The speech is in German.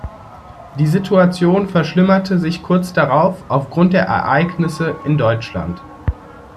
Die Situation verschlimmerte sich kurz darauf, aufgrund der Ereignisse in Deutschland.